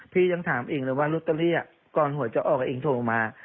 พี่ยังถามเองเลยว่าลอตเตอรี่ก่อนหวยจะออกเองโทรมา